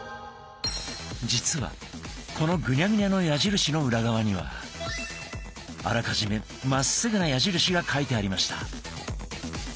実はこのグニャグニャの矢印の裏側にはあらかじめまっすぐな矢印が書いてありました。